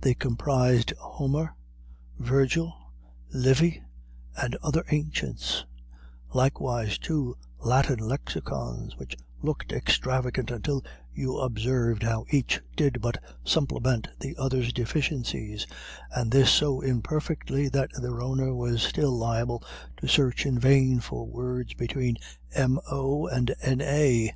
They comprised Homer, Virgil, Livy, and other ancients; likewise two Latin lexicons, which looked extravagant until you observed how each did but supplement the other's deficiencies, and this so imperfectly that their owner was still liable to search in vain for words between MO and NA.